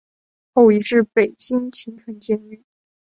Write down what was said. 后移到北京秦城监狱。